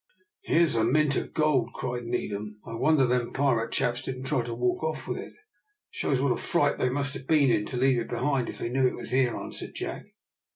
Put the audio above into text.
"Here is a mint of gold," cried Needham. "I wonder them pirate chaps didn't try to walk off with it." "It shows what a fright they must have been in to leave it behind if they knew it was here," answered Jack.